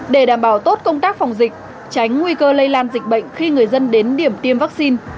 để đảm bảo tốt công tác phòng dịch tránh nguy cơ lây lan dịch bệnh khi người dân đến điểm tiêm vaccine